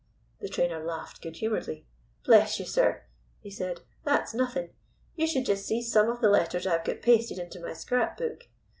The trainer laughed good humoredly. "Bless you, sir," he said, "that's nothing. You should just see some of the letters I've got pasted into my scrap book.